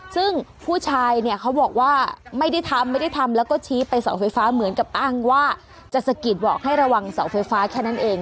ซึ่งผู้ชายเนี่ยเขาบอกว่าไม่ได้ทำไม่ได้ทำแล้วก็ชี้ไปเสาไฟฟ้าเหมือนกับอ้างว่าจะสะกิดบอกให้ระวังเสาไฟฟ้าแค่นั้นเอง